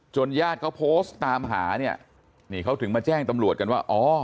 ญาติเขาโพสต์ตามหาเนี่ยนี่เขาถึงมาแจ้งตำรวจกันว่าอ๋อ